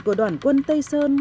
của đoàn quân tây sơn